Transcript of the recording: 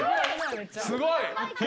すごい。